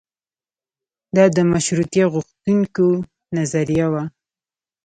دا د مشروطیه غوښتونکیو نظریه وه.